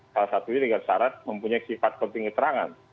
salah satunya dengan syarat mempunyai sifat penting keterangan